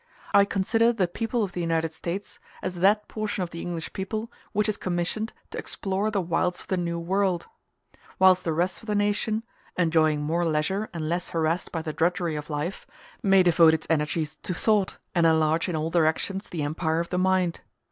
I consider the people of the United States as that portion of the English people which is commissioned to explore the wilds of the New World; whilst the rest of the nation, enjoying more leisure and less harassed by the drudgery of life, may devote its energies to thought, and enlarge in all directions the empire of the mind.